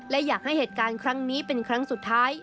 และอยากให้เหตุการณ์ครั้งนี้เป็นครั้งสุดท้าย